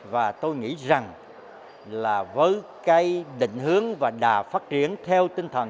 và tôi nghĩ rằng là với cái định hướng và đà phát triển theo tinh thần